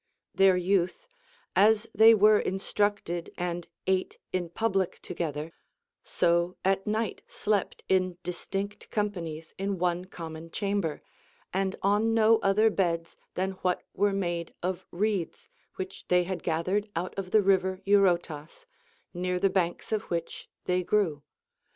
6. Their youth, as they were instructed and ate in pub lic together, so at night slept in distinct companies in one common ciiamber, and on no other beds than what were made of reeds, which they had gathered out of the river Eurotas, near the banks of which they grew.